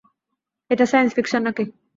এটা science fiction নাকি?